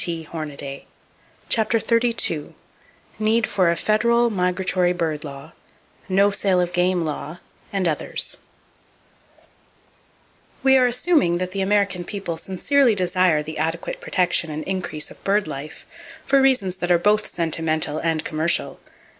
[Page 304] CHAPTER XXXII NEED FOR A FEDERAL MIGRATORY BIRD LAW, NO SALE OF GAME LAW, AND OTHERS We are assuming that the American people sincerely desire the adequate protection and increase of bird life, for reasons that are both sentimental and commercial.